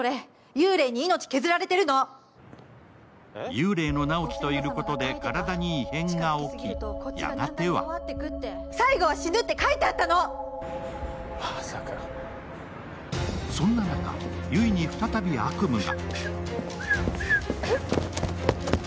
幽霊の直木といることで体に異変が起き、やがてはそんな中、悠依に再び悪夢が。